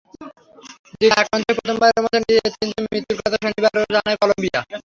জিকায় আক্রান্ত হয়ে প্রথমবারের মতো তিনজনের মৃত্যুর কথা শনিবার জানায় কলম্বিয়া।